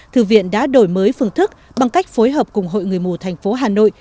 thư viện đã đổi mới phương thức bằng cách phối hợp cùng hội người mù tp hà nội